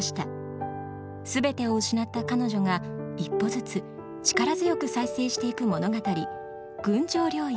全てを失った彼女が一歩ずつ力強く再生していく物語「群青領域」